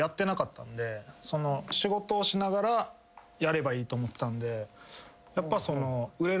仕事をしながらやればいいと思ってたんで。